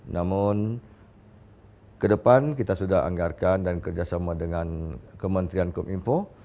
namun ke depan kita sudah anggarkan dan kerjasama dengan kementerian kominfo